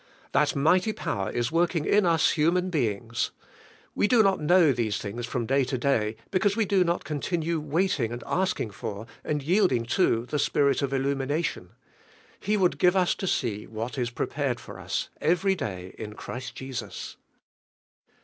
That mighty power is working in us human beings. We do not know these things from day to day because we do not continue waiting and asking for, and yielding to the Spirit of illumination. He would give us to see what is prepared for us every day in Christ Jesus.